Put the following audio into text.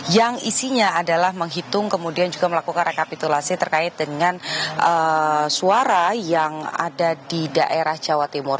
yang isinya adalah menghitung kemudian juga melakukan rekapitulasi terkait dengan suara yang ada di daerah jawa timur